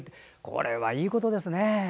これはいいことですね